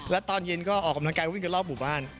แล้วตอนเย็นก็ออกกำลังกายวิ่งกันรอบหมู่บ้าน